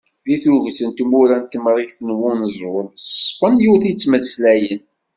Deg tuget n tmura n Temrikt n Wenẓul s tespenyult i ttmeslayen.